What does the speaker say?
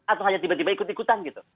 atau hanya tiba tiba ikut ikutan gitu